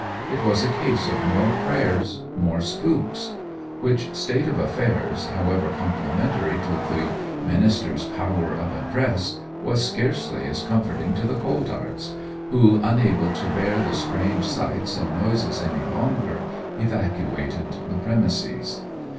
It was a case of more prayers, more spooks; which state of affairs, however complimentary to the ministers' powers of address, was scarcely as comforting to the Colthearts, who, unable to bear the strange sights and noises any longer, evacuated the premises.